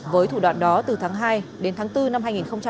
với thủ đoạn đó từ tháng hai đến tháng bốn năm hai nghìn hai mươi